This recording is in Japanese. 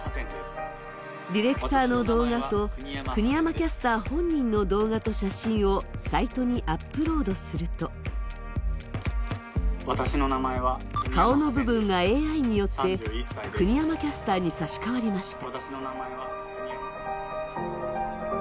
ディレクターの動画と国山キャスター本人の動画と写真をサイトにアップロードすると顔の部分がＡＩによって国山キャスターに差し替わりました。